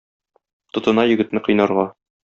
Тотына егетне кыйнарга.